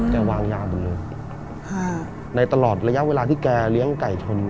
วางยาหมดเลยในตลอดระยะเวลาที่แกเลี้ยงไก่ชน